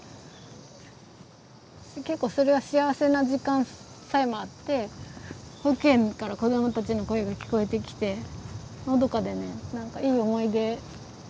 結構それは幸せな時間さえもあって保育園から子どもたちの声が聞こえてきてのどかでねいい思い出も結構あります。